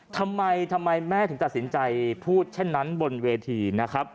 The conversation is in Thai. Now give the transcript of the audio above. ทำไมทำไมแม่ถึงตัดสินใจพูดเช่นนั้นบนเวทีนะครับ